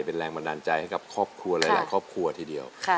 เป็นแรงแบบดันใจมาพี่ครอบครัวเลยละครอบครัวทีเดียว